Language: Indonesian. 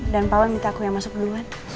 dan pawan minta aku yang masuk duluan